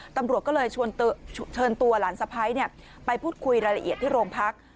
ตำรวจก็เลยเชิญตัวหลานสะพ้ายไปพูดคุยรายละเอียดที่โรงพัก